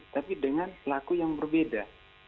tapi dengan pelaku yang berbeda